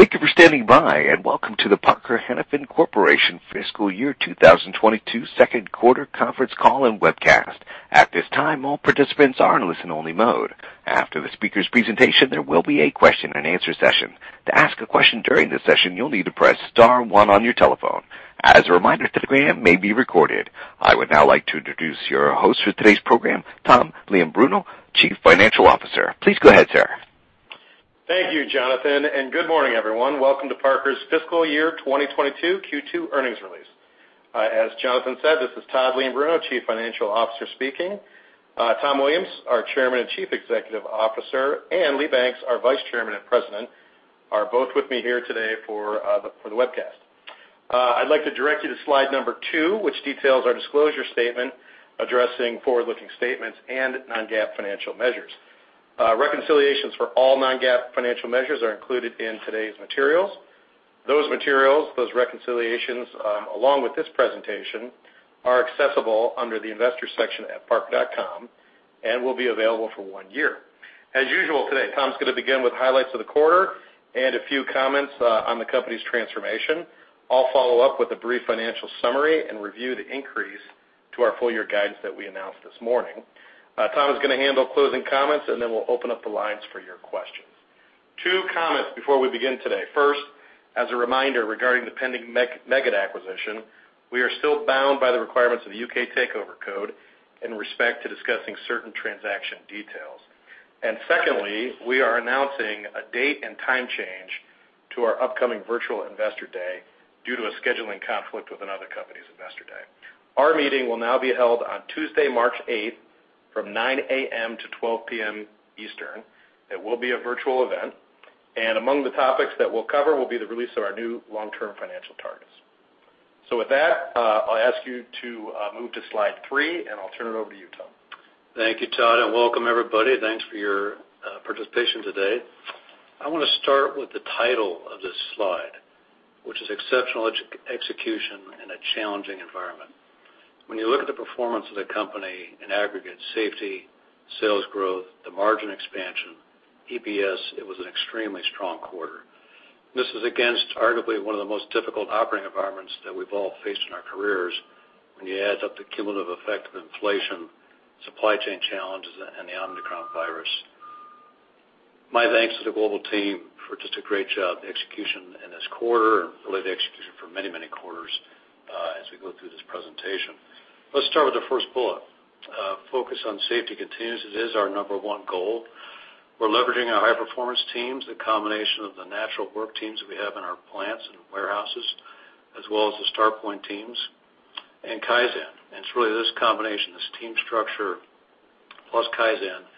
Thank you for standing by, and welcome to the Parker-Hannifin Corporation Fiscal Year 2022 Second Quarter Conference Call and Webcast. At this time, all participants are in Listen-Only Mode. After the speaker's presentation, there will be a question and answer session. To ask a question during this session, you'll need to press star one on your telephone. As a reminder, today's program may be recorded. I would now like to introduce your host for today's program, Todd Leombruno, Chief Financial Officer. Please go ahead, sir. Thank you, Jonathan, and good morning, everyone. Welcome to Parker's Fiscal Year 2022 Q2 earnings release. As Jonathan said, this is Todd Leombruno, Chief Financial Officer speaking. Tom Williams, our Chairman and Chief Executive Officer, and Lee Banks, our Vice Chairman and President, are both with me here today for the webcast. I'd like to direct you to Slide number 2, which details our disclosure statement addressing Forward-Looking statements and Non-GAAP financial measures. Reconciliations for all Non-GAAP financial measures are included in today's materials. Those materials, reconciliations, along with this presentation are accessible under the investor section at parker.com and will be available for one year. As usual, today, Tom's gonna begin with highlights of the 1/4 and a few comments on the company's transformation. I'll follow up with a brief financial summary and review the increase to our full year guidance that we announced this morning. Tom is gonna handle closing comments, and then we'll open up the lines for your questions. Two comments before we begin today. First, as a reminder regarding the pending Meggitt acquisition, we are still bound by the requirements of the U.K. Takeover Code in respect to discussing certain transaction details. Secondly, we are announcing a date and time change to our upcoming virtual investor day due to a scheduling conflict with another company's investor day. Our meeting will now be held on Tuesday, March eighth from 9:00 A.M. to 12:00 P.M. Eastern. It will be a virtual event, and among the topics that we'll cover will be the release of our new Long-Term financial targets. With that, I'll ask you to move to Slide 3, and I'll turn it over to you, Tom. Thank you, Todd, and welcome everybody. Thanks for your participation today. I wanna start with the title of this Slide, which is Exceptional Execution in a Challenging Environment. When you look at the performance of the company in aggregate safety, sales growth, the margin expansion, EPS, it was an extremely strong 1/4. This is against arguably one of the most difficult operating environments that we've all faced in our careers when you add up the cumulative effect of inflation, supply chain challenges, and the Omicron virus. My thanks to the global team for just a great job, the execution in this 1/4 and related execution for many, many quarters, as we go through this presentation. Let's start with the first bullet. Focus on safety continues. It is our number one goal. We're leveraging our High-Performance teams, the combination of the natural work teams that we have in our plants and warehouses, as well as the Starpoint teams and Kaizen. It's really this combination, this team structure plus Kaizen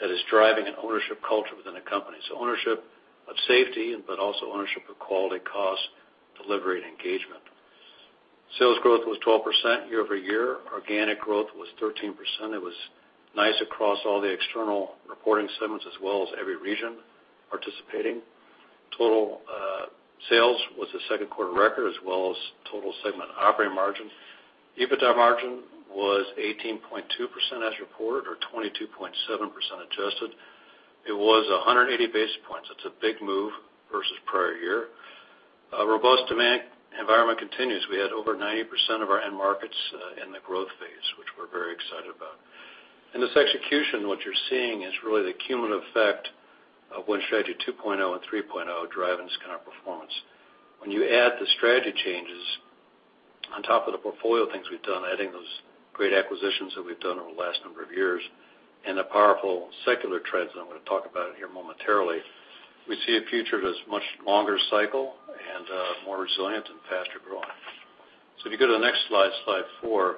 that is driving an ownership culture within the company. Ownership of safety, but also ownership of quality, cost, delivery and engagement. Sales growth was 12% Year-Over-Year. Organic growth was 13%. It was nice across all the external reporting segments as well as every region participating. Total sales was the second 1/4 record as well as total segment operating margin. EBITDA margin was 18.2% as reported or 22.7% adjusted. It was 180 basis points. That's a big move versus prior year. A robust demand environment continues. We had over 90% of our end markets in the growth phase, which we're very excited about. In this execution, what you're seeing is really the cumulative effect of Win Strategy 2.0 and 3.0 driving this kind of performance. When you add the strategy changes on top of the portfolio things we've done, adding those great acquisitions that we've done over the last number of years and the powerful secular trends that I'm gonna talk about here momentarily, we see a future that's much longer cycle and more resilient and faster growth. If you go to the next Slide 4.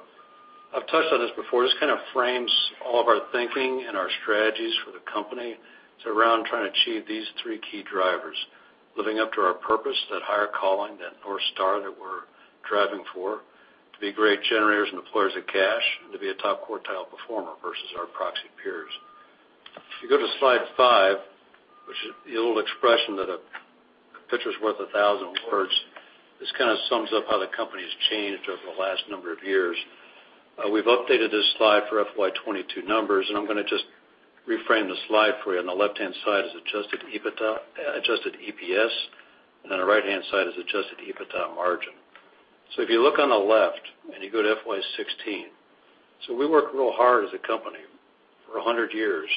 I've touched on this before. This kind of frames all of our thinking and our strategies for the company. It's around trying to achieve these 3 key drivers, living up to our purpose, that higher calling, that North Star that we're driving for, to be great generators and deployers of cash, and to be a top quartile performer versus our proxy peers. If you go to Slide 5, which is the old expression that a picture's worth 1,000 words, this kind of sums up how the company has changed over the last number of years. We've updated this Slide for FY 2022 numbers, and I'm gonna just reframe the Slide for you. On the left-hand side is adjusted EBITDA, adjusted EPS, and on the Right-Hand side is adjusted EBITDA margin. If you look on the left and you go to FY 2016, so we worked real hard as a company for 100 years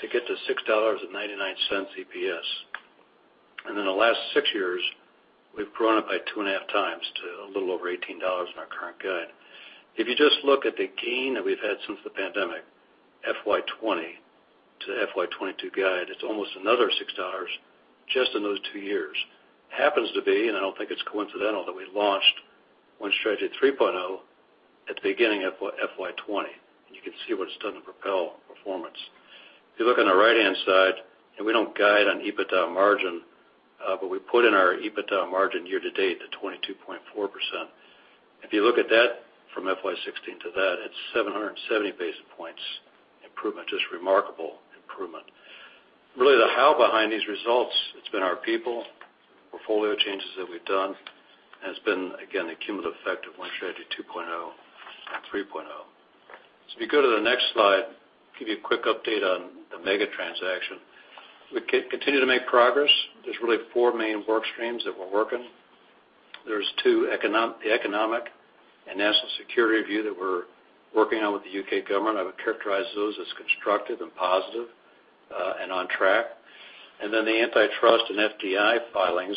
to get to $6.99 EPS. In the last 6 years, we've grown it by 2.5 times to a little over $18 in our current guide. If you just look at the gain that we've had since the pandemic, FY 2020 to FY 2022 guide, it's almost another $6 just in those 2 years. It happens to be, and I don't think it's coincidental that we launched Win Strategy 3.0 at the beginning of FY 2020. You can see what it's done to propel performance. If you look on the Right-Hand side, we don't guide on EBITDA margin, but we put in our EBITDA margin year to date at 22.4%. If you look at that from FY 2016 to that, it's 770 basis points improvement, just remarkable improvement. Really, the how behind these results, it's been our people, portfolio changes that we've done, and it's been, again, the cumulative effect of Win Strategy 2.0 and 3.0. If you go to the next Slide, give you a quick update on the Meggitt transaction. We continue to make progress. There's really four main work streams that we're working. There's the economic and national security review that we're working on with the U.K. government. I would characterize those as constructive and positive, and on track. Then the antitrust and FDI filings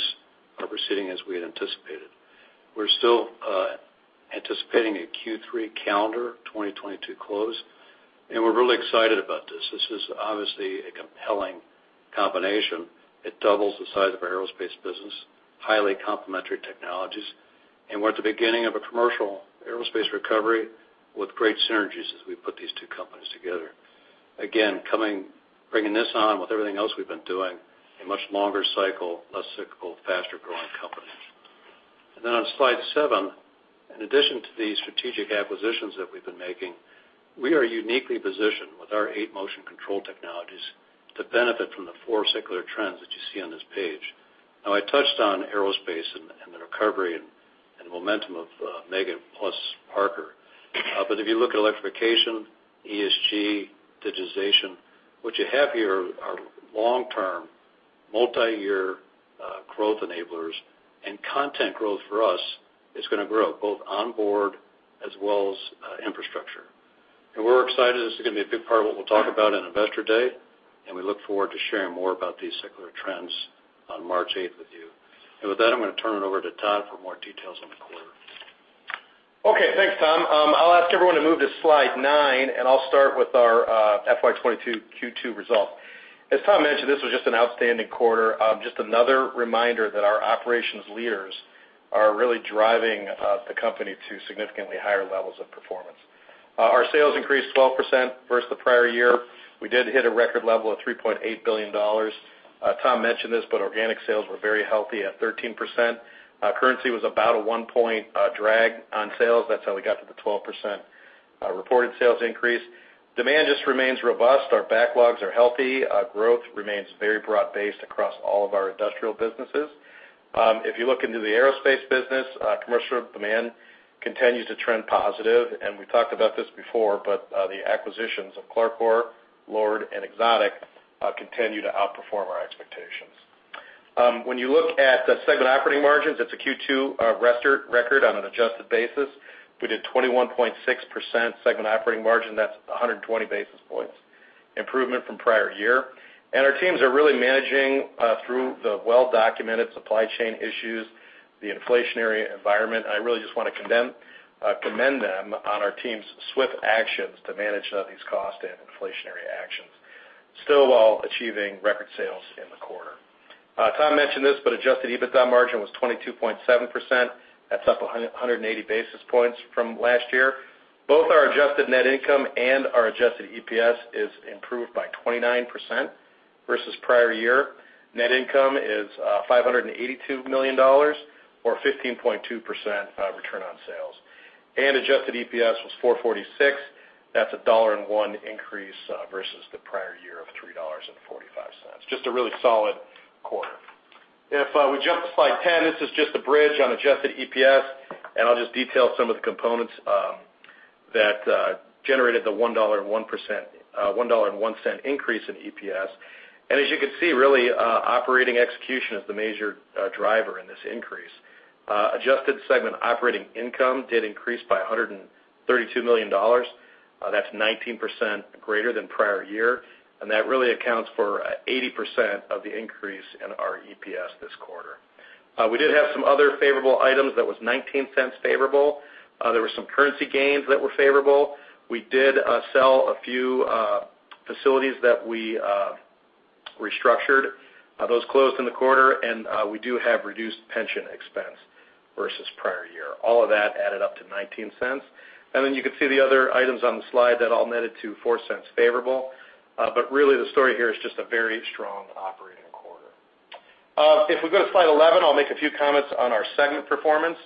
are proceeding as we had anticipated. We're still anticipating a Q3 calendar 2022 close, and we're really excited about this. This is obviously a compelling combination. It doubles the size of our aerospace business, highly complementary technologies, and we're at the beginning of a commercial aerospace recovery with great synergies as we put these 2 companies together. Again, bringing this on with everything else we've been doing, a much longer cycle, less cyclical, faster growing companies. On Slide 7, in addition to the strategic acquisitions that we've been making, we are uniquely positioned with our eight motion control technologies to benefit from the four secular trends that you see on this page. Now, I touched on aerospace and the recovery and momentum of Meggitt plus Parker. If you look at electrification, ESG, digitization, what you have here are Long-Term, Multi-Year growth enablers, and content growth for us is gonna grow both onboard as well as infrastructure. We're excited this is gonna be a big part of what we'll talk about on Investor Day, and we look forward to sharing more about these secular trends on March eighth with you. With that, I'm gonna turn it over to Todd for more details on the 1/4. Okay. Thanks, Tom. I'll ask everyone to move to Slide 9, and I'll start with our FY 2022 Q2 result. As Tom mentioned, this was just an outstanding 1/4, just another reminder that our operations leaders are really driving the company to significantly higher levels of performance. Our sales increased 12% versus the prior year. We did hit a record level of $3.8 billion. Tom mentioned this, but organic sales were very healthy at 13%. Currency was about a 1% drag on sales. That's how we got to the 12% reported sales increase. Demand just remains robust. Our backlogs are healthy. Growth remains very broad-based across all of our industrial businesses. If you look into the Aerospace business, commercial demand continues to trend positive, and we've talked about this before, but the acquisitions of CLARCOR, LORD, and Exotic continue to outperform our expectations. When you look at the segment operating margins, it's a Q2 record on an adjusted basis. We did 21.6% segment operating margin. That's 120 basis points improvement from prior year. Our teams are really managing through the well-documented supply chain issues, the inflationary environment. I really just want to commend them on our team's swift actions to manage these costs and inflationary actions, still while achieving record sales in the 1/4. Tom mentioned this, but adjusted EBITDA margin was 22.7%. That's up 180 basis points from last year. Both our adjusted net income and our adjusted EPS is improved by 29% versus prior year. Net income is $582 million or 15.2% return on sales. Adjusted EPS was $4.46. That's a $1.01 increase versus the prior year of $3.45. Just a really solid 1/4. If we jump to Slide 10, this is just a bridge on adjusted EPS, and I'll just detail some of the components that generated the $1.01 increase in EPS. As you can see, really, operating execution is the major driver in this increase. Adjusted segment operating income did increase by $132 million. That's 19% greater than prior year, and that really accounts for 80% of the increase in our EPS this 1/4. We did have some other favorable items. That was $0.19 favorable. There were some currency gains that were favorable. We did sell a few facilities that we restructured. Those closed in the 1/4, and we do have reduced pension expense versus prior year. All of that added up to $0.19. Then you can see the other items on the Slide that all netted to $0.04 favorable. But really the story here is just a very strong operating 1/4. If we go to Slide 11, I'll make a few comments on our segment performance.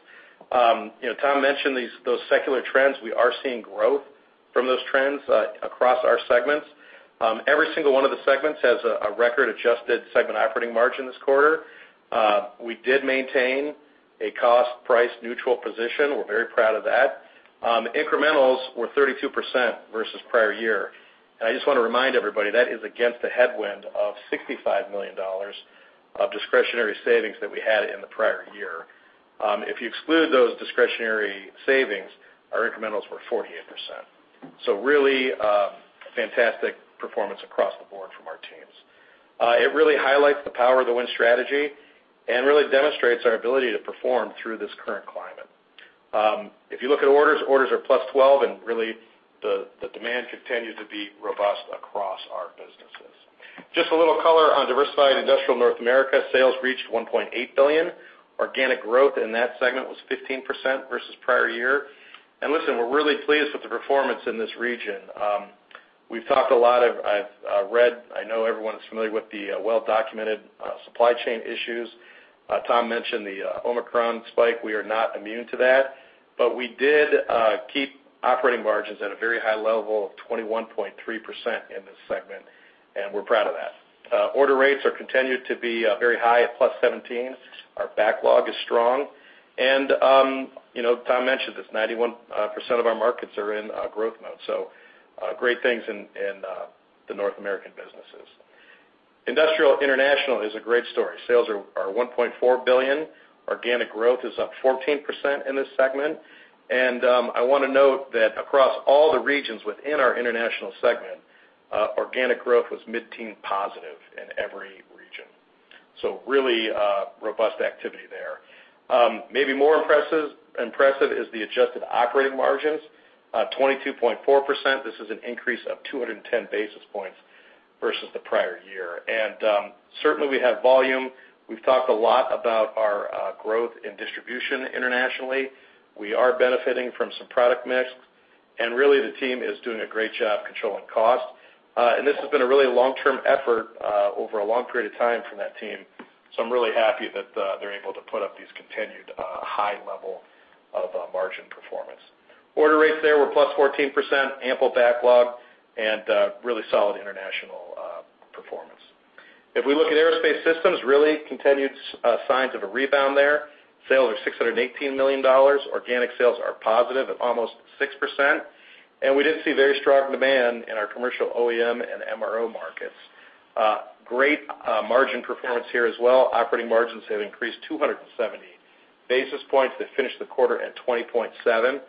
You know, Tom mentioned these, those secular trends. We are seeing growth from those trends across our segments. Every single one of the segments has a record adjusted segment operating margin this 1/4. We did maintain a cost price neutral position. We're very proud of that. Incrementals were 32% versus prior year. I just wanna remind everybody, that is against a headwind of $65 million of discretionary savings that we had in the prior year. If you exclude those discretionary savings, our incremental were 48%. Really, fantastic performance across the board from our teams. It really highlights the power of the Win Strategy and really demonstrates our ability to perform through this current climate. If you look at orders are +12%, and really the demand continues to be robust across our businesses. Just a little color on Diversified Industrial North America. Sales reached $1.8 billion. Organic growth in that segment was 15% versus prior year. Listen, we're really pleased with the performance in this region. We've talked a lot. I know everyone is familiar with the well-documented supply chain issues. Tom mentioned the Omicron spike. We are not immune to that, but we did keep operating margins at a very high level of 21.3% in this segment, and we're proud of that. Order rates continue to be very high at +17%. Our backlog is strong. You know, Tom mentioned this, 91% of our markets are in growth mode, so great things in the North American businesses. Industrial International is a great story. Sales are $1.4 billion. Organic growth is up 14% in this segment. I wanna note that across all the regions within our international segment, organic growth was Mid-Teans positive in every region. Really robust activity there. Maybe more impressive is the adjusted operating margins, 22.4%. This is an increase of 210 basis points versus the prior year. Certainly, we have volume. We've talked a lot about our growth in distribution internationally. We are benefiting from some product mix, and really, the team is doing a great job controlling cost. This has been a really Long-Term effort over a long period of time from that team, so I'm really happy that they're able to put up these continued high level of margin performance. Order rates there were +14%, ample backlog, and really solid international performance. If we look at Aerospace Systems, really continued signs of a rebound there. Sales are $618 million. Organic sales are positive at almost 6%, and we did see very strong demand in our commercial OEM and MRO markets. Great margin performance here as well. Operating margins have increased 270 basis points. They finished the 1/4 at 20.7%.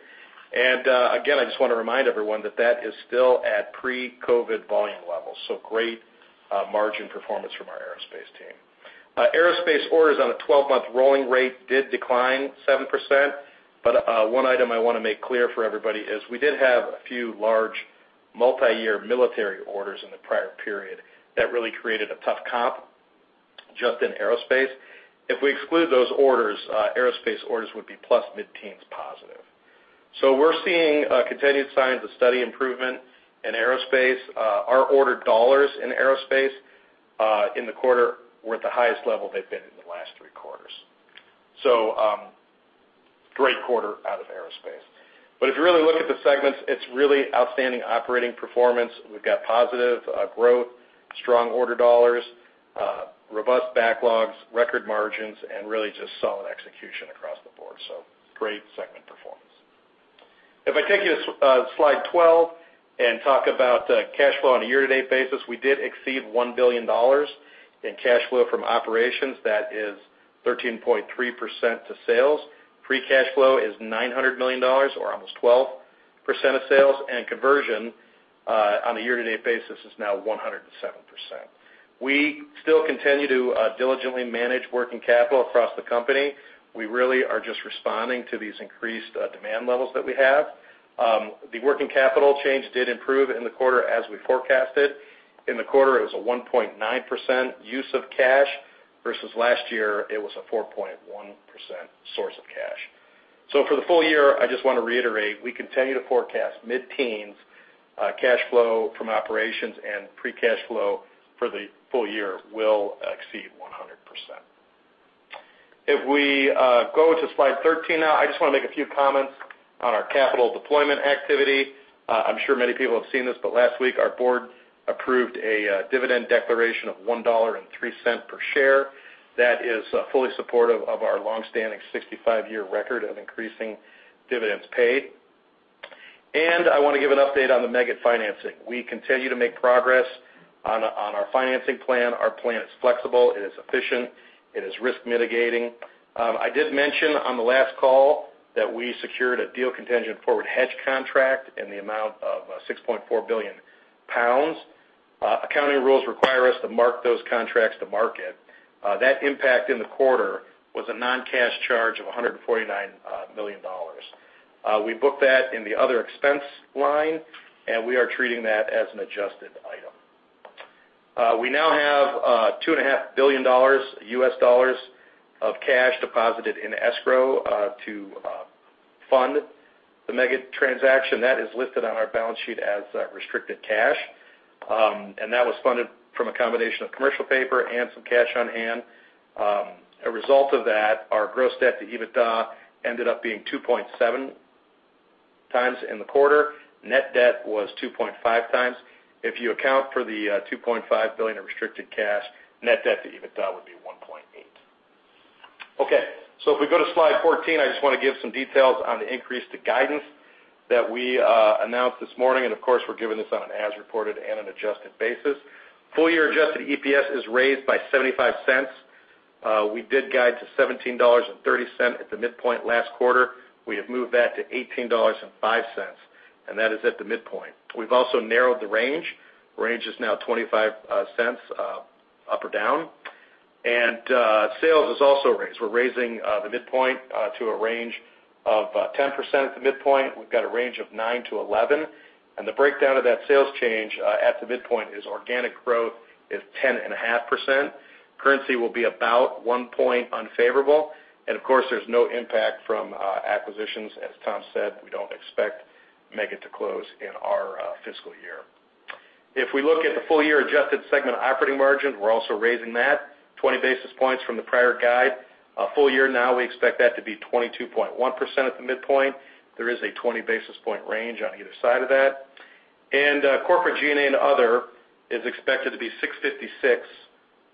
Again, I just wanna remind everyone that that is still at pre-COVID volume levels, so great margin performance from our aerospace team. Aerospace orders on a 12-month rolling rate did decline 7%, but one item I wanna make clear for everybody is we did have a few large multiyear military orders in the prior period that really created a tough comp just in aerospace. If we exclude those orders, aerospace orders would be +Mid-Teans positive. We're seeing continued signs of steady improvement in Aerospace. Our ordered dollars in Aerospace in the 1/4 were at the highest level they've been in the last 3 quarters. Great 1/4 out of Aerospace. If you really look at the segments, it's really outstanding operating performance. We've got positive growth, strong order dollars, robust backlogs, record margins, and really just solid execution across the board, great segment performance. If I take you to Slide 12 and talk about cash flow on a Year-To-Date basis, we did exceed $1 billion in cash flow from operations. That is 13.3% to sales. Free cash flow is $900 million or almost 12% of sales, and conversion on a Year-To-Date basis is now 107%. We still continue to diligently manage working capital across the company. We really are just responding to these increased demand levels that we have. The working capital change did improve in the 1/4 as we forecasted. In the 1/4, it was a 1.9% use of cash versus last year, it was a 4.1% source of cash. For the full year, I just wanna reiterate, we continue to forecast Mid-Teans cash flow from operations and free cash flow for the full year will exceed 100%. If we go to Slide 13 now, I just wanna make a few comments on our capital deployment activity. I'm sure many people have seen this, but last week, our board approved a dividend declaration of $1.03 per share. That is fully supportive of our long-standing 65-year record of increasing dividends paid. I wanna give an update on the Meggitt financing. We continue to make progress on our financing plan. Our plan is flexible, it is efficient, it is risk mitigating. I did mention on the last call that we secured a deal contingent forward hedge contract in the amount of 6.4 billion pounds. Accounting rules require us to mark those contracts to market. That impact in the 1/4 was a Non-Cash charge of $149 million. We booked that in the other expense line, and we are treating that as an adjusted item. We now have $2.5 billion of cash deposited in escrow to fund the Meggitt transaction. That is listed on our balance sheet as restricted cash. That was funded from a combination of commercial paper and some cash on hand. A result of that, our gross debt to EBITDA ended up being 2.7 times in the 1/4. Net debt was 2.5 times. If you account for the $2.5 billion in restricted cash, net debt to EBITDA would be 1.8. Okay, so if we go to Slide 14, I just wanna give some details on the increase to guidance that we announced this morning, and of course, we're giving this on an as-reported and an adjusted basis. Full-year adjusted EPS is raised by $0.75. We did guide to $17.30 at the midpoint last 1/4. We have moved that to $18.05, and that is at the midpoint. We've also narrowed the range. Range is now 25 cents up or down. Sales is also raised. We're raising the midpoint to a range of 10% at the midpoint. We've got a range of 9%-11%, and the breakdown of that sales change at the midpoint is organic growth is 10.5%. Currency will be about 1% unfavorable. Of course, there's no impact from acquisitions. As Tom said, we don't expect Meggitt to close in our fiscal year. If we look at the full year adjusted segment operating margin, we're also raising that 20 basis points from the prior guide. Full year now, we expect that to be 22.1% at the midpoint. There is a 20 basis point range on either side of that. Corporate G&A and other is expected to be $656 million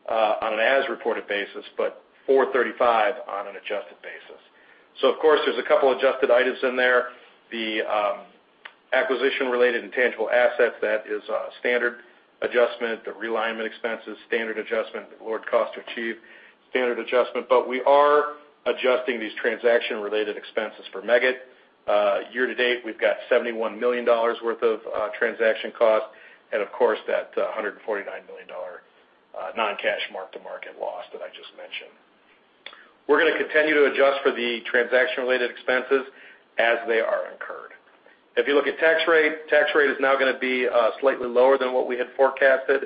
on an as-reported basis, but $435 million on an adjusted basis. Of course, there's a couple adjusted items in there. The acquisition related intangible assets, that is a standard adjustment. The realignment expenses, standard adjustment. The lower cost to achieve, standard adjustment. But we are adjusting these transaction related expenses for Meggitt. Year-To-Date, we've got $71 million worth of transaction costs and, of course, that $149 million Non-cash Mark-To-Market loss that I just mentioned. We're gonna continue to adjust for the transaction related expenses as they are incurred. If you look at tax rate, it is now gonna be slightly lower than what we had forecasted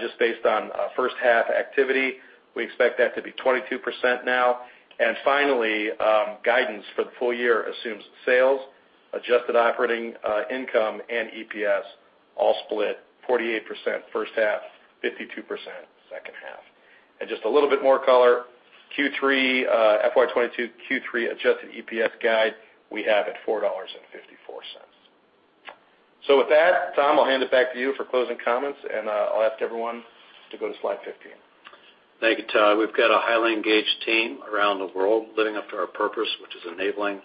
just based on first 1/2 activity. We expect that to be 22% now. Finally, guidance for the full year assumes sales, adjusted operating income and EPS all split 48% first 1/2, 52% second 1/2. Just a little bit more color, Q3 FY 2022 Q3 adjusted EPS guide, we have at $4.54. With that, Tom, I'll hand it back to you for closing comments, and I'll ask everyone to go to Slide 15. Thank you, Todd. We've got a highly engaged team around the world living up to our purpose, which is enabling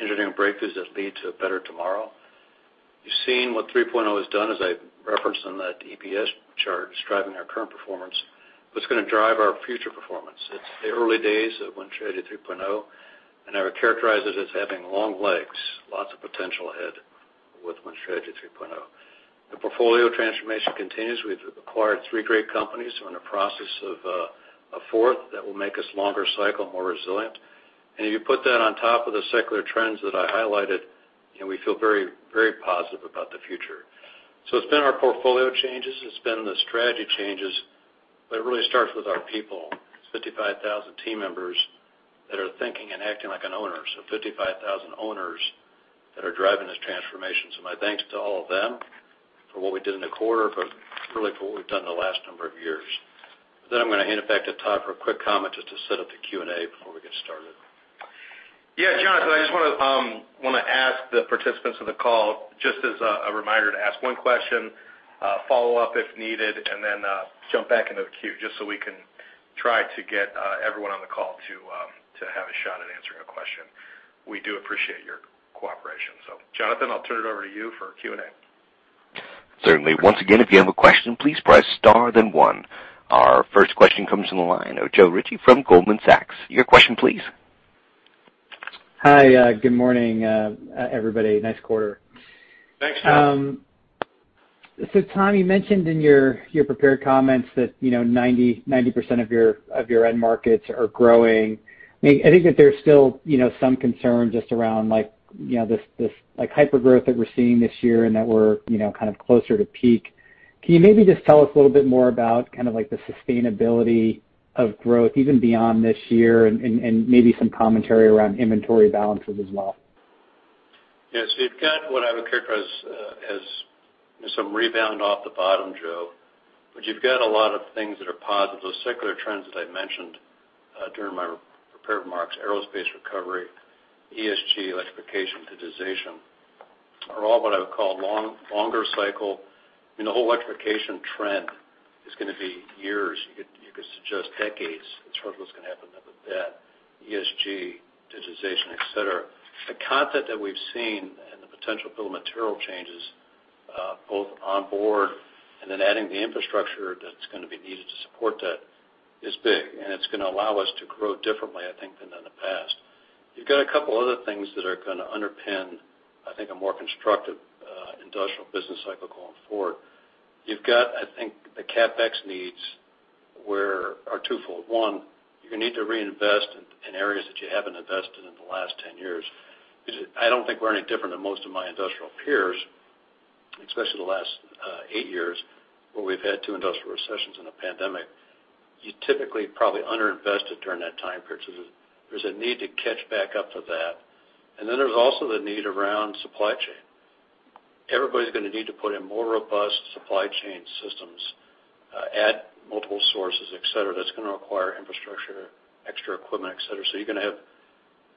engineering breakthroughs that lead to a better tomorrow. You've seen what 3.0 has done, as I referenced on that EPS chart, it's driving our current performance. What's gonna drive our future performance? It's the early days of Win Strategy 3.0, and I would characterize it as having long legs, lots of potential ahead with Win Strategy 3.0. The portfolio transformation continues. We've acquired 3 great companies. We're in the process of a fourth that will make us longer cycle, more resilient. If you put that on top of the secular trends that I highlighted and we feel very, very positive about the future. It's been our portfolio changes, it's been the strategy changes, but it really starts with our people. It's 55,000 team members that are thinking and acting like an owner. 55,000 owners that are driving this transformation. My thanks to all of them for what we did in the 1/4, but really for what we've done in the last number of years. Then I'm gonna hand it back to Todd for a quick comment just to set up the Q&A before we get started. Yeah, Jonathan, I just wanna ask the participants of the call, just as a reminder to ask one question, follow up if needed, and then jump back into the queue, just so we can try to get everyone on the call to have a shot at answering a question. We do appreciate your cooperation. Jonathan, I'll turn it over to you for Q&A. Certainly. Our first question comes from the line of Joel Tiss from Goldman Sachs. Your question please. Hi, good morning, everybody. Nice 1/4. Thanks, Joe. Tom, you mentioned in your prepared comments that 90% of your end markets are growing. I think that there's still some concern just around like this hypergrowth that we're seeing this year and that we're kind of closer to peak. Can you maybe just tell us a little bit more about kind of like the sustainability of growth even beyond this year and maybe some commentary around inventory balances as well? Yes. We've got what I would characterize as some rebound off the bottom, Joe. But you've got a lot of things that are positive. Those secular trends that I mentioned during my prepared remarks, aerospace recovery, ESG, electrification, digitization are all what I would call longer cycle. I mean, the whole electrification trend is gonna be years. You could suggest decades in terms of what's gonna happen there with that, ESG, digitization, et cetera. The content that we've seen and the potential bill of material changes both on board and then adding the infrastructure that's gonna be needed to support that is big, and it's gonna allow us to grow differently, I think, than in the past. You've got a couple other things that are gonna underpin, I think, a more constructive industrial business cycle going forward. You've got, I think, the CapEx needs are 2fold. One, you're gonna need to reinvest in areas that you haven't invested in the last 10 years. Because I don't think we're any different than most of my industrial peers, especially the last 8 years where we've had 2 industrial recessions and a pandemic. You typically probably underinvested during that time period, so there's a need to catch back up to that. There's also the need around supply chain. Everybody's gonna need to put in more robust supply chain systems, add multiple sources, et cetera. That's gonna require infrastructure, extra equipment, et cetera. You're gonna have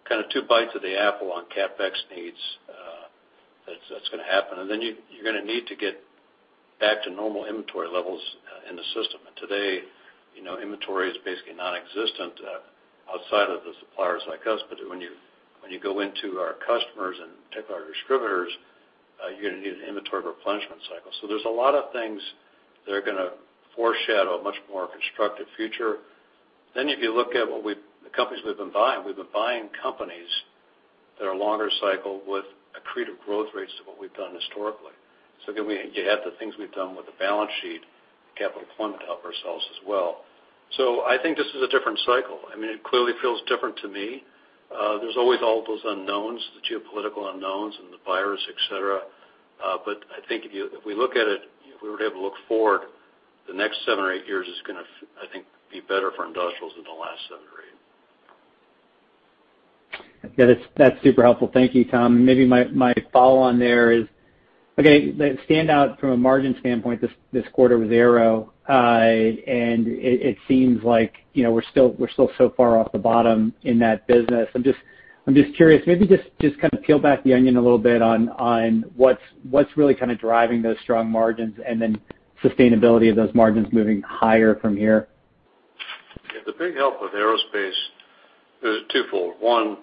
kind of 2 bites of the apple on CapEx needs, that's gonna happen. You're gonna need to get back to normal inventory levels in the system. Today, you know, inventory is basically nonexistent outside of the suppliers like us. But when you go into our customers and particularly our distributors, you're gonna need an inventory replenishment cycle. So there's a lot of things that are gonna foreshadow a much more constructive future. If you look at the companies we've been buying, we've been buying companies that are longer cycle with accretive growth rates to what we've done historically. So again, you add the things we've done with the balance sheet and capital deployment to help ourselves as well. So I think this is a different cycle. I mean, it clearly feels different to me. There's always all those unknowns, the geopolitical unknowns and the virus, et cetera. I think if we look at it, if we were able to look forward, the next 7 or eight years is gonna be better for industrials than the last 7 or eight. Yeah, that's super helpful. Thank you, Tom. Maybe my follow on there is okay, the standout from a margin standpoint this 1/4 was Aerospace. It seems like, you know, we're still so far off the bottom in that business. I'm just curious, maybe just kind of peel back the onion a little bit on what's really kind of driving those strong margins and then sustainability of those margins moving higher from here. Yeah, the big help with aerospace is 2fold. One,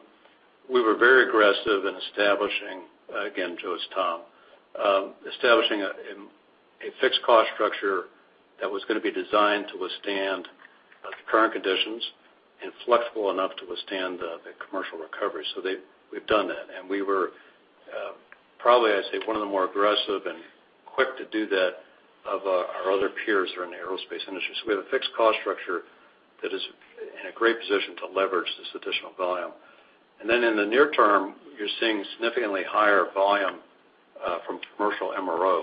we were very aggressive in establishing, again, Joe, it's Tom, establishing a fixed cost structure that was gonna be designed to withstand the current conditions and flexible enough to withstand the commercial recovery. We've done that. We were probably, I'd say, one of the more aggressive and quick to do that of our other peers who are in the aerospace industry. So we have a fixed cost structure that is in a great position to leverage this additional volume. Then in the near term, you're seeing significantly higher volume from commercial MRO.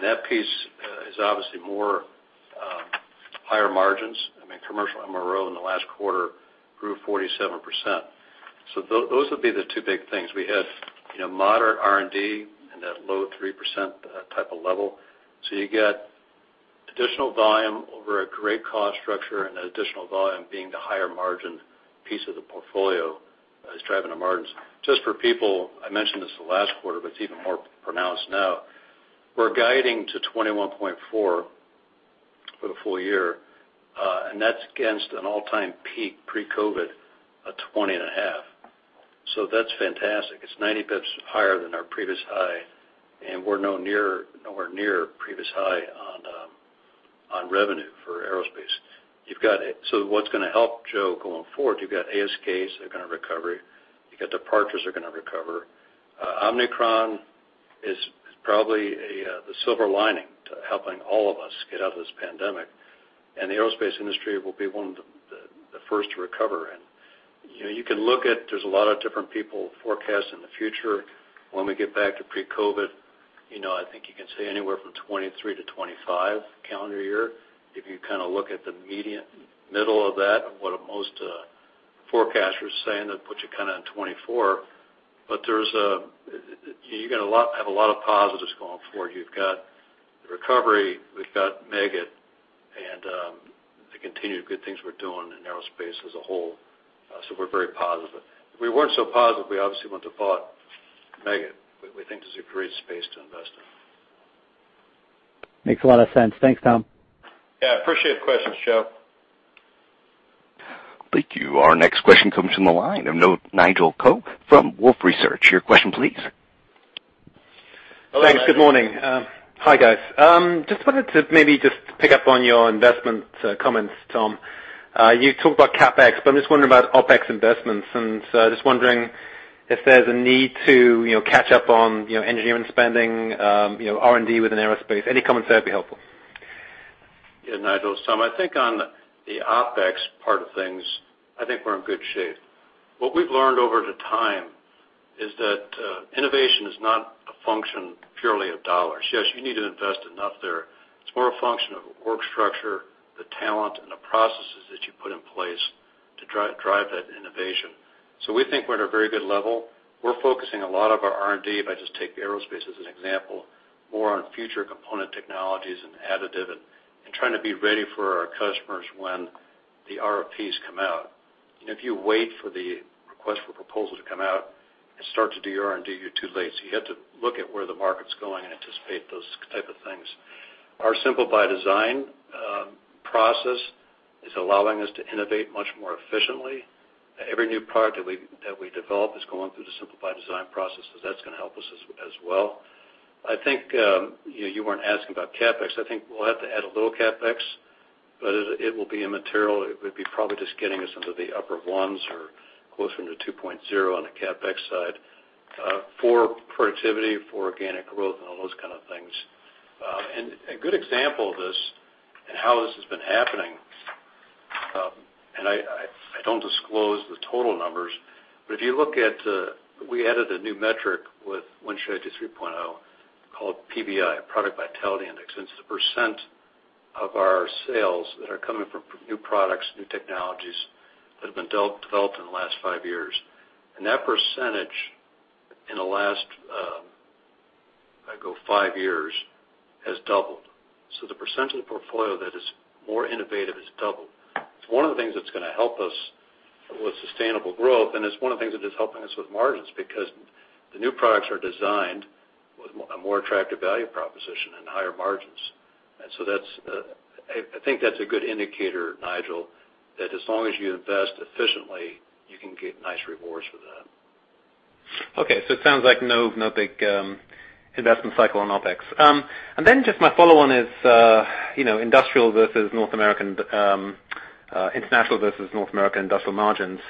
That piece is obviously more higher margins. I mean, commercial MRO in the last 1/4 grew 47%. Those would be the 2 big things. We had, you know, moderate R&D in that low 3% type of level. You get additional volume over a great cost structure, and that additional volume being the higher margin piece of the portfolio is driving the margins. Just for people, I mentioned this the last 1/4, but it's even more pronounced now, we're guiding to 21.4% for the full year, and that's against an all-time peak Pre-COVID of 20.5%. That's fantastic. It's 90 basis points higher than our previous high, and we're nowhere near our previous high on revenue for Aerospace. What's gonna help, Joe, going forward, you've got ASKs are gonna recover. You got departures are gonna recover. Omicron is probably the silver lining to helping all of us get out of this pandemic. The aerospace industry will be one of the first to recover. You know, you can look at, there's a lot of different people forecasting the future when we get back to Pre-COVID. You know, I think you can say anywhere from 2023 to 2025 calendar year. If you kind of look at the median middle of that, what most forecasters saying, that puts you kinda in 2024. You have a lot of positives going forward. You've got the recovery, we've got Meggitt and the continued good things we're doing in aerospace as a whole. So we're very positive. If we weren't so positive, we obviously wouldn't have bought Meggitt. We think this is a great space to invest in. Makes a lot of sense. Thanks, Tom. Yeah, appreciate the questions, Joe. Thank you. Our next question comes from the line of Nigel Coe from Wolfe Research. Your question, please. Hello, Nigel. Thanks. Good morning. Hi, guys. Just wanted to maybe just pick up on your investment comments, Tom. You talked about CapEx, but I'm just wondering about OpEx investments. Just wondering if there's a need to, you know, catch up on, you know, engineering spending, you know, R&D within aerospace. Any comments there would be helpful. Yeah, Nigel, it's Tom. I think on the OpEx part of things, I think we're in good shape. What we've learned over the time is that innovation is not a function purely of dollars. Yes, you need to invest enough there. It's more a function of org structure, the talent, and the processes that you put in place to drive that innovation. We think we're at a very good level. We're focusing a lot of our R&D, if I just take Aerospace as an example, more on future component technologies and additive and trying to be ready for our customers when the RFPs come out. If you wait for the request for proposal to come out and start to do your R&D, you're too late. You have to look at where the market's going and anticipate those type of things. Our Simple by Design process is allowing us to innovate much more efficiently. Every new product that we develop is going through the Simple by Design process, so that's gonna help us as well. I think you know, you weren't asking about CapEx. I think we'll have to add a little CapEx, but it will be immaterial. It would be probably just getting us into the upper ones or closer into 2.0 on the CapEx side for productivity, for organic growth, and all those kind of things. A good example of this and how this has been happening. I don't disclose the total numbers, but if you look at we added a new metric with Win Strategy 3.0, called PVI, Product Vitality Index, and it's the percentage of our sales that are coming from new products, new technologies that have been developed in the last 5 years. That percentage in the last 5 years has doubled. The percentage of the portfolio that is more innovative has doubled. It's one of the things that's gonna help us with sustainable growth, and it's one of the things that is helping us with margins because the new products are designed with a more attractive value proposition and higher margins. I think that's a good indicator, Nigel, that as long as you invest efficiently, you can get nice rewards for that. Okay. It sounds like no big investment cycle on OpEx. Then just my follow-on is, you know, industrial versus North American, international versus North American industrial margins.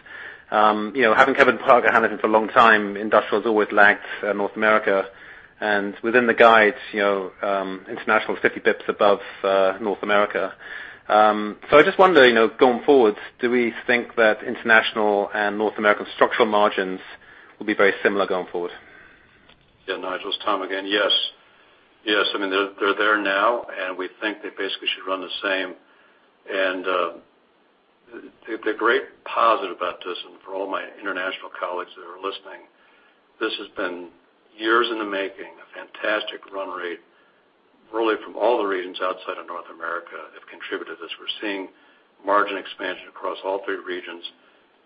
You know, having Parker-Hannifin handle it for a long time, industrial's always lagged North America. Within the guidance, you know, international is 50 basis points above North America. I'm just wondering, you know, going forward, do we think that international and North American structural margins will be very similar going forward? Yeah, Nigel, it's Tom again. Yes. Yes. I mean, they're there now, and we think they basically should run the same. The great positive about this, and for all my international colleagues that are listening, this has been years in the making, a fantastic run rate, really from all the regions outside of North America have contributed to this. We're seeing margin expansion across all 3 regions.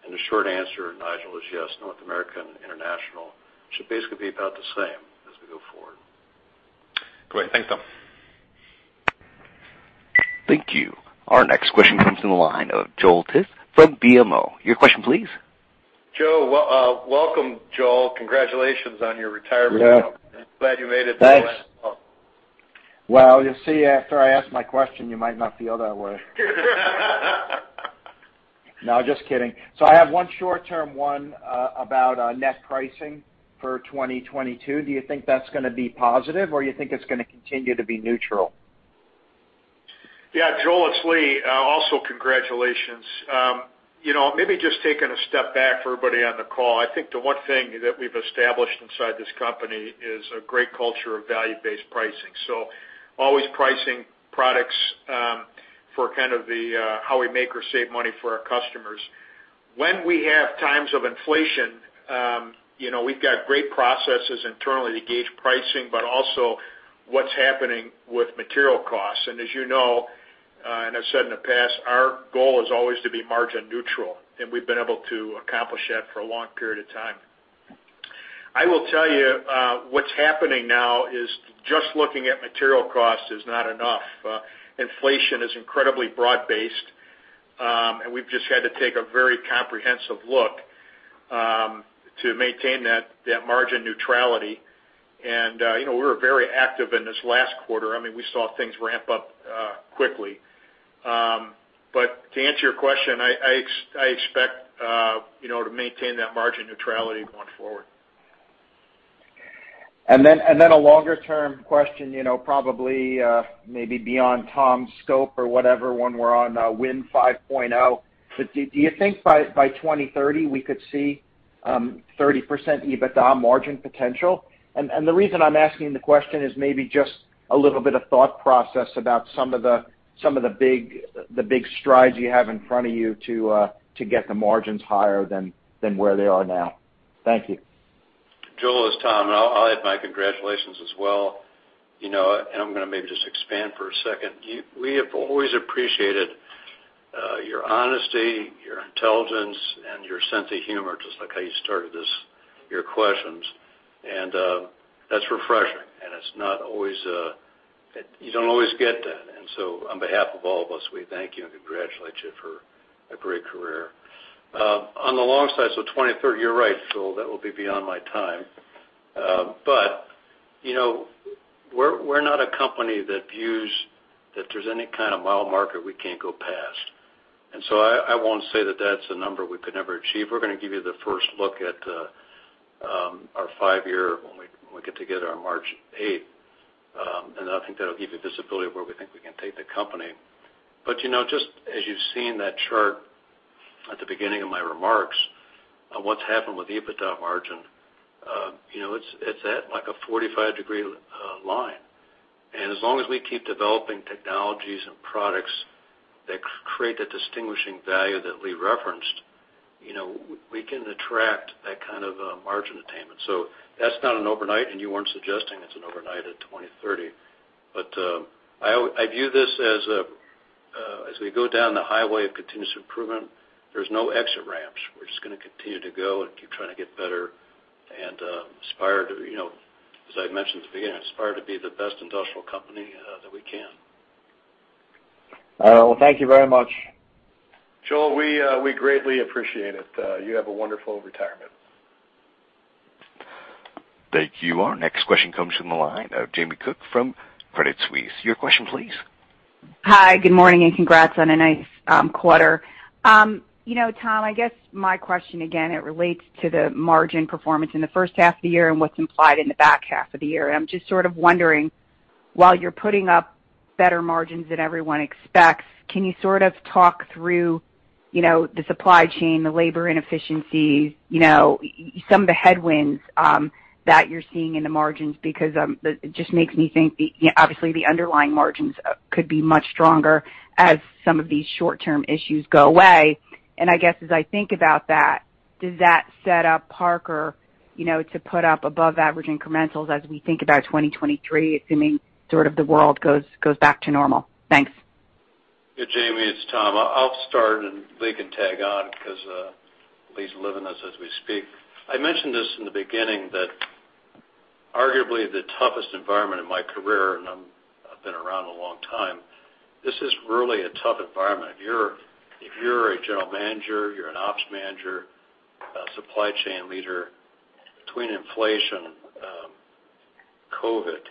The short answer, Nigel, is yes, North America and International should basically be about the same. Great. Thanks, Tom. Thank you. Our next question comes from the line of Joel Tiss from BMO. Your question please. Joe, we welcome Joel. Congratulations on your retirement. Yeah. Glad you made it. Thanks. Well, you'll see after I ask my question, you might not feel that way. No, just kidding. I have one short-term one about net pricing for 2022. Do you think that's gonna be positive, or you think it's gonna continue to be neutral? Yeah. Joel, it's Lee. Also congratulations. You know, maybe just taking a step back for everybody on the call, I think the one thing that we've established inside this company is a great culture of value-based pricing, so always pricing products for kind of the how we make or save money for our customers. When we have times of inflation, you know, we've got great processes internally to gauge pricing, but also what's happening with material costs. As you know, and I've said in the past, our goal is always to be margin neutral, and we've been able to accomplish that for a long period of time. I will tell you, what's happening now is just looking at material costs is not enough. Inflation is incredibly broad-based. We've just had to take a very comprehensive look to maintain that margin neutrality. You know, we were very active in this last 1/4. I mean, we saw things ramp up quickly. To answer your question, I expect, you know, to maintain that margin neutrality going forward. A longer term question, you know, probably maybe beyond Tom's scope or whatever, when we're on Win 5.0. Do you think by 2030 we could see 30% EBITDA margin potential? The reason I'm asking the question is maybe just a little bit of thought process about some of the big strides you have in front of you to get the margins higher than where they are now. Thank you. Joel, it's Tom, and I'll add my congratulations as well. You know, and I'm gonna maybe just expand for a second. We have always appreciated your honesty, your intelligence, and your sense of humor, just like how you started this, your questions. That's refreshing, and it's not always, you don't always get that. On be1/2 of all of us, we thank you and congratulate you for a great career. On the long side, so 2030, you're right, Joel, that will be beyond my time. But you know, we're not a company that views that there's any kind of mile marker we can't go past. I won't say that that's a number we could never achieve. We're gonna give you the first look at our 5-year when we get together on March 8. I think that'll give you visibility of where we think we can take the company. You know, just as you've seen that chart at the beginning of my remarks on what's happened with EBITDA margin, you know, it's at like a 45-degree line. As long as we keep developing technologies and products that create the distinguishing value that Lee referenced, you know, we can attract that kind of margin attainment. That's not an overnight, and you weren't suggesting it's an overnight at 2030. I view this as we go down the highway of continuous improvement, there's no exit ramps. We're just gonna continue to go and keep trying to get better and aspire to, you know, as I mentioned at the beginning, aspire to be the best industrial company that we can. Well, thank you very much. Joel, we greatly appreciate it. You have a wonderful retirement. Thank you. Our next question comes from the line of Jamie Cook from Credit Suisse. Your question please. Hi, good morning, and congrats on a nice 1/4. You know, Tom, I guess my question again, it relates to the margin performance in the first 1/2 of the year and what's implied in the back 1/2 of the year. I'm just sort of wondering, while you're putting up better margins than everyone expects, can you sort of talk through, you know, the supply chain, the labor inefficiencies, you know, some of the headwinds that you're seeing in the margins? Because it just makes me think the obviously the underlying margins could be much stronger as some of these short-term issues go away. I guess as I think about that, does that set up Parker, you know, to put up above average incrementals as we think about 2023, assuming sort of the world goes back to normal? Thanks. Yeah. Jamie, it's Tom. I'll start and Lee can tag on because Lee's living this as we speak. I mentioned this in the beginning that arguably the toughest environment in my career, and I've been around a long time. This is really a tough environment. If you're a general manager, you're an ops manager, supply chain leader, between inflation, COVID,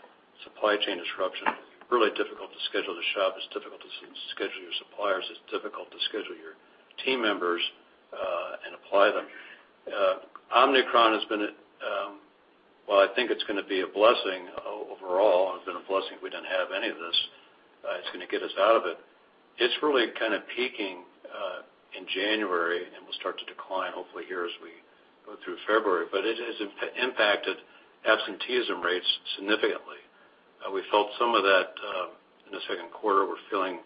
supply chain disruption, really difficult to schedule the shop. It's difficult to schedule your suppliers. It's difficult to schedule your team members and apply them. Omicron has been, while I think it's gonna be a blessing overall. It's been a blessing we didn't have any of this. It's gonna get us out of it. It's really kind of peaking in January, and will start to decline hopefully here as we go through February. It has impacted absenteeism rates significantly. We felt some of that in the second 1/4. We're feeling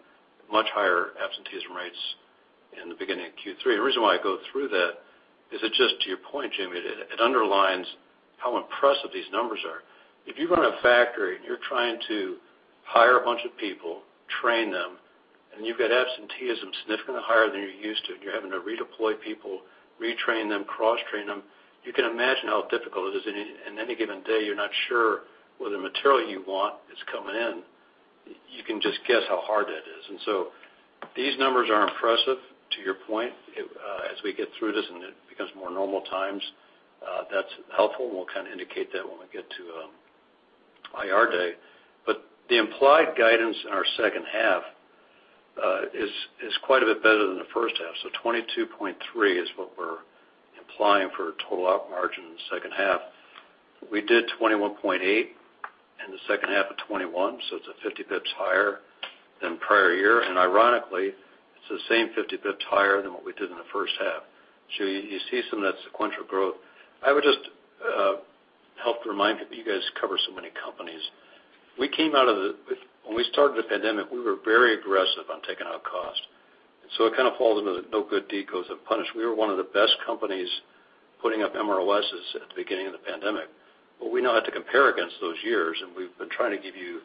much higher absenteeism rates in the beginning of Q3. The reason why I go through that is it just to your point, Jamie, it underlines how impressive these numbers are. If you run a factory and you're trying to hire a bunch of people, train them, and you've got absenteeism significantly higher than you're used to, and you're having to redeploy people, retrain them, cross-train them. You can imagine how difficult it is in any given day, you're not sure whether material you want is coming in. You can just guess how hard that is. These numbers are impressive to your point, as we get through this and it becomes more normal times, that's helpful, and we'll kind of indicate that when we get to IR day. The implied guidance in our second 1/2 is quite a bit better than the first 1/2. 22.3% is what we're implying for total op margin in the second 1/2. We did 21.8% in the second 1/2 of 2021, so it's 50 basis points higher than prior year. Ironically, it's the same 50 basis points higher than what we did in the first 1/2. You see some of that sequential growth. I would just help to remind you guys cover so many companies. When we started the pandemic, we were very aggressive on taking out cost. It kind of falls into the no good deed goes unpunished. We were one of the best companies putting up MROs at the beginning of the pandemic. We now have to compare against those years, and we've been trying to give you